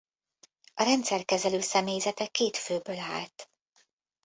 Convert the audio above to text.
A rendszer kezelőszemélyzete két főből állt.